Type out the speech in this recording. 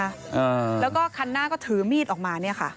อ่าแล้วก็คันหน้าก็ถือมีดออกมาเนี่ยค่ะ